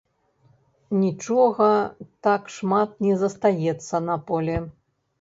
Нічога так шмат не застаецца на полі.